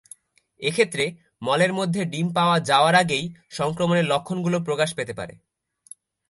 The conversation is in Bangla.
এক্ষেত্রে, মলের মধ্যে ডিম পাওয়া যাওয়ার আগেই সংক্রমণের লক্ষণগুলো প্রকাশ পেতে পারে।